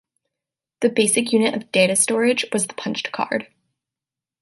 The basic unit of data storage was the punched card.